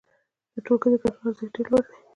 د ټولګي د ګډون ارزښت ډېر لوړ دی.